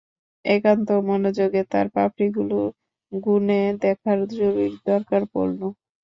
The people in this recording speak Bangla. একান্ত মনোযোগে তার পাপড়িগুলো গুনে দেখার জরুরি দরকার পড়ল।